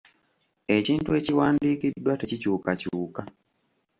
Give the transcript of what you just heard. Ekintu ekiwandiikiddwa tekikyukakyuka.